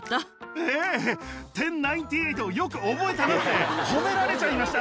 ええ、１０ー９８、よく覚えたなって褒められちゃいました。